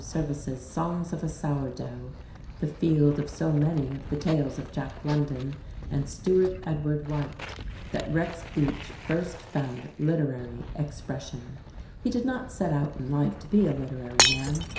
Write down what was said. Service's "Songs of a Sourdough," the field of so many of the tales of Jack London and Stewart Edward White, that Rex Beach first found literary expression. He did not set out in life to be a literary man.